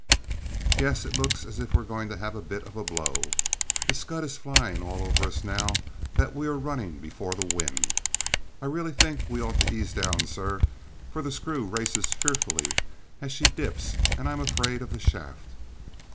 "Yes, it looks as if we're going to have a bit of a blow. The scud is flying all over us now that we are running before the wind. I really think we ought to ease down, sir, for the screw races fearfully as she dips and I'm afraid of the shaft."